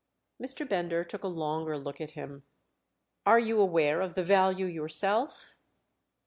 Mr. Bender took a longer look at him. "Are you aware of the value yourself?"